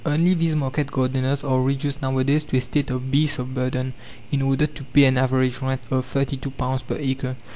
Only these market gardeners are reduced nowadays to a state of beasts of burden, in order to pay an average rent of £32 per acre.